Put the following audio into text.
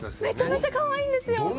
めちゃめちゃカワイイんですよ。